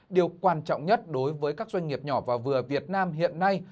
điều quan trọng nhất đối với các doanh nghiệp nhỏ và vừa việt nam hiện nay